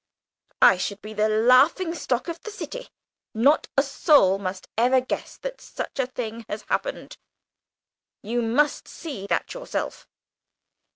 I should be the laughing stock of the city. Not a soul must ever guess that such a thing has happened. You must see that yourself."